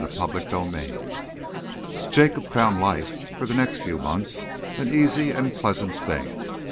CHAPTER VII Jacob found life, for the next few months, an easy and a pleasant thing.